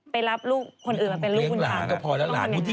ไปรับลูกคนอื่นมาเป็นลูกคุณค่ะ